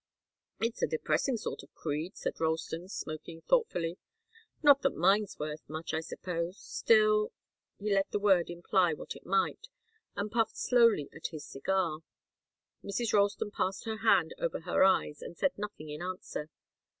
"It's a depressing sort of creed," said Ralston, smoking thoughtfully. "Not that mine's worth much, I suppose. Still " He let the word imply what it might, and puffed slowly at his cigar. Mrs. Ralston passed her hand over her eyes, and said nothing in answer.